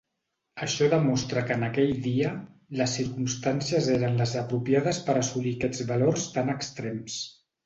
Això demostra que en aquell dia, les circumstàncies eren les apropiades per assolir aquests valors tan extrems.